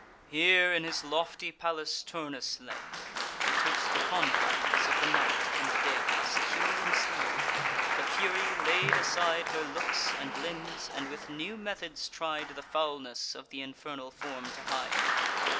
Here, in his lofty palace, Turnus lay, Betwixt the confines of the night and day, Secure in sleep. The Fury laid aside Her looks and limbs, and with new methods tried The foulness of th' infernal form to hide.